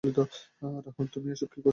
রাহুল তুমি এসব কি করছো?